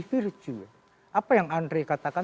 virtual apa yang andre katakan